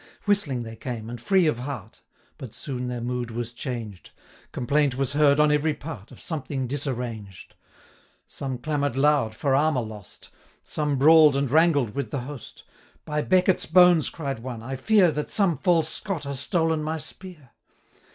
Whistling they came, and free of heart, But soon their mood was changed; Complaint was heard on every part, Of something disarranged. 10 Some clamour'd loud for armour lost; Some brawl'd and wrangled with the host; 'By Becket's bones,' cried one, 'I fear, That some false Scot has stolen my spear!'